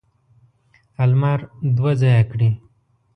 المار دوه ځایه کړي.